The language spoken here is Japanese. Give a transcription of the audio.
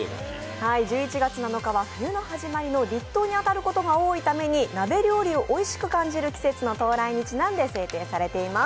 １１月７日は冬の始まりの立冬に当たることが多いために鍋料理をおいしく感じる季節の到来にちなんで制定されています。